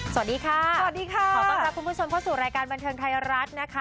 สวัสดีค่ะสวัสดีค่ะขอต้อนรับคุณผู้ชมเข้าสู่รายการบันเทิงไทยรัฐนะคะ